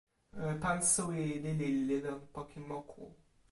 pan suwi lili li lon poki moku